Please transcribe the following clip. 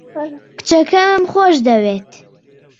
کچەکەمم خۆش دەوێت.